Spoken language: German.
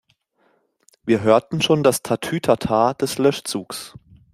Wir hörten schon das Tatütata des Löschzugs.